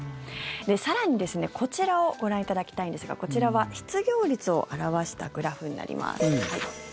更に、こちらをご覧いただきたいんですがこちらは失業率を表したグラフになります。